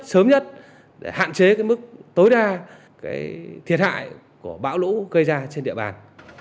sớm nhất để hạn chế mức tối đa thiệt hại của bão lũ gây ra trên địa bàn